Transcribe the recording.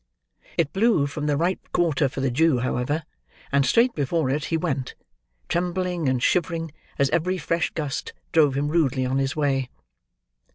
It blew from the right quarter for the Jew, however, and straight before it he went: trembling, and shivering, as every fresh gust drove him rudely on his way.